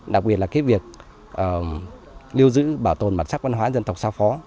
đặc biệt là việc lưu giữ bảo tồn mặt sắc văn hóa dân tộc xa phó